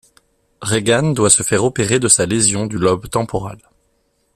Regan doit se faire opérer de sa lésion du lobe temporal.